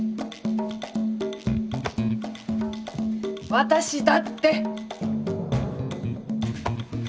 私だって！